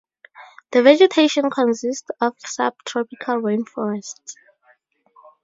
The vegetation consists of subtropical rainforest.